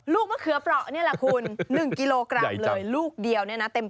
มะเขือเปราะนี่แหละคุณ๑กิโลกรัมเลยลูกเดียวเนี่ยนะเต็ม